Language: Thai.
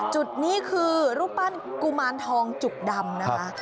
จุดนี้คือรูปปั้นกุมารทองจุกดำนะคะ